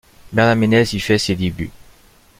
Bernard Ménez y fait ses débuts.